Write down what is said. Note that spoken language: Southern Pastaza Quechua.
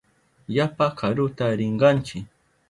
Yapa karuta rinkanchi.